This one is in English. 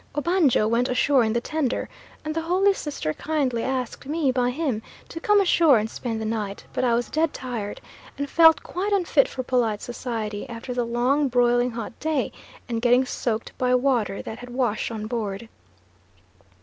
Obanjo went ashore in the tender, and the holy sister kindly asked me, by him, to come ashore and spend the night; but I was dead tired and felt quite unfit for polite society after the long broiling hot day and getting soaked by water that had washed on board.